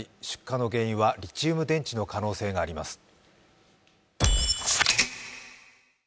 出火の原因はリチウム電池の可能性があります。